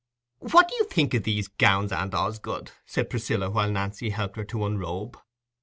"What do you think o' these gowns, aunt Osgood?" said Priscilla, while Nancy helped her to unrobe.